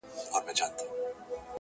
• د داســي زيـري انـتــظـار كـومــه.